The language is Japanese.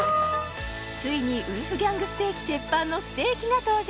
ついにウルフギャング・ステーキＴＥＰＰＡＮのステーキが登場！